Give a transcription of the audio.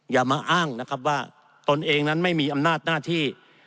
อย่ามาอ้างนะครับว่าตนเองนั้นไม่มีอำนาจหน้าที่